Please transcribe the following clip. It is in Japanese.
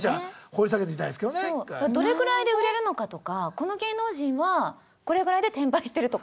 どれくらいで売れるのかとかこの芸能人はこれぐらいで転売してるとか。